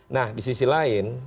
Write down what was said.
nah di sisi lain